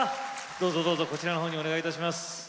どうぞどうぞこちらのほうにお願いいたします。